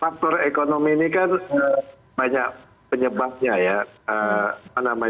faktor ekonomi ini kan banyak penyebabnya ya